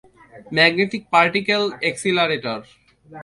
Magnetic particle accelerator.